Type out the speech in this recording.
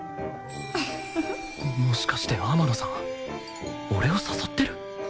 もしかして天野さん俺を誘ってる？